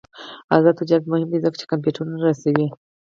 آزاد تجارت مهم دی ځکه چې کمپیوټرونه رسوي.